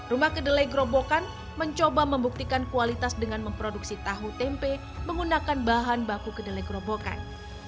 rumah kedelai gerobokan mencoba membuktikan kualitas dengan memproduksi tahu tempe menggunakan bahan baku kedelai gerobokan